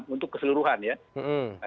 untuk keseluruhan ya